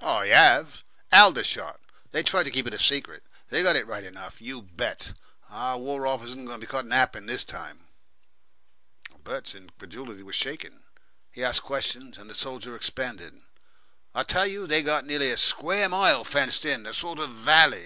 "I 'AVE! Aldershot. They try to keep it a secret. They got it right enough. You bet our War Office isn't going to be caught napping this time." Bert's incredulity was shaken. He asked questions and the soldier expanded. "I tell you they got nearly a square mile fenced in a sort of valley.